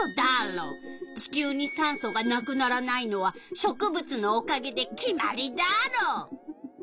地球に酸素がなくならないのは植物のおかげで決まりダーロ！